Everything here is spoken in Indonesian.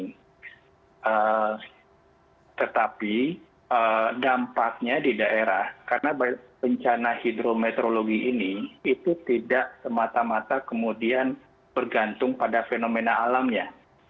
nah tetapi dampaknya di daerah karena bencana hidrometeorologi ini itu tidak semata mata kemudian bergantung pada fenomena alamnya